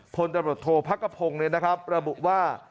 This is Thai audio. พลตบรับโทษภักกะพงษ์ระบุว่า